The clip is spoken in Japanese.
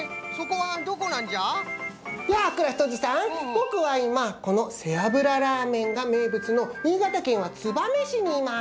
ぼくはいまこのせあぶらラーメンがめいぶつの新潟県燕市にいます。